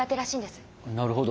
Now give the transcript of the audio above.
なるほど。